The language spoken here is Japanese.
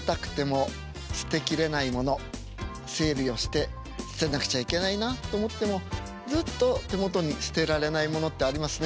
整理をして捨てなくちゃいけないなと思ってもずっと手元に捨てられないものってありますね。